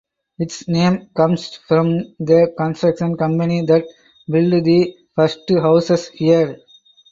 Its name comes from the construction company that built the first houses here.